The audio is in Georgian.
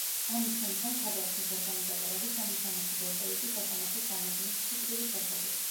ამის შემდგომ, თავდასხმის ორგანიზატორები, სამი სომეხი ბოლშევიკი, სასამართლოს განაჩენით სიკვდილით დასაჯეს.